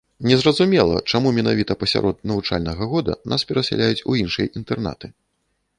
Незразумела, чаму менавіта пасярод навучальнага года нас перасяляюць у іншыя інтэрнаты.